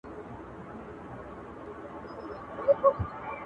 خو وجدان يې نه پرېږدي تل,